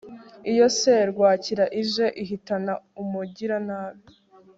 iyo serwakira ije ihitana umugiranabi